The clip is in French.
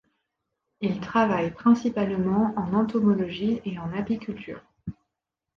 Il travaille principalement en entomologie et en apiculture.